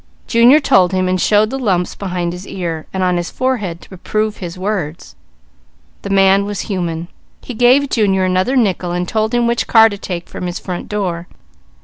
Junior told him, and showed the lumps behind his ear and on his forehead, to prove his words. The man was human. He gave Junior another nickel and told him which car to take from his front door.